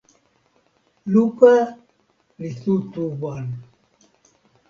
luka li tu tu wan.